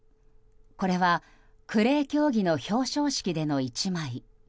これはクレー競技の表彰式での１枚。